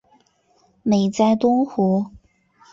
美哉东湖！